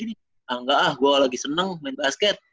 ah enggak ah gue lagi seneng main basket